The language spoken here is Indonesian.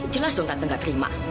jelas dong tante gak terima